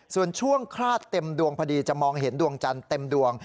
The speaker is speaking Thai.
ส่วนช่วงคลาดเต็มดวงพอดีจะมองเห็นดวงจันทร์เต็มดวง